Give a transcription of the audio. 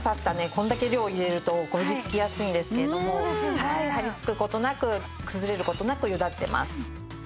これだけ量入れるとこびりつきやすいんですけれども張りつく事なく崩れる事なくゆだってます。